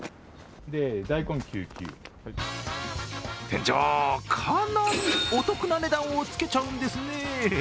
店長、かなりお得な値段をつけちゃうんですね。